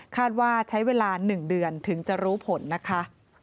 ว่าใช้เวลา๑เดือนถึงจะรู้ผลนะคะ